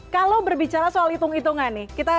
kalau berbicara soal hitung hitungan nih